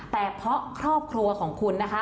แต่เพราะครอบครัวของคุณนะคะ